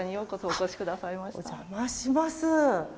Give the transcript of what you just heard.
お邪魔します。